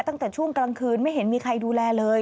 ตั้งแต่ช่วงกลางคืนไม่เห็นมีใครดูแลเลย